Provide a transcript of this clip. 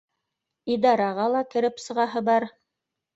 Идараға ла кереп сығаһы бар